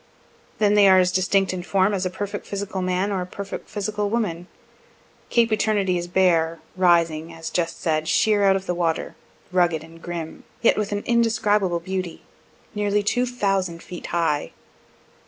Then they are as distinct in form as a perfect physical man or a perfect physical woman. Cape Eternity is bare, rising, as just said, sheer out of the water, rugged and grim (yet with an indescribable beauty) nearly two thousand feet high.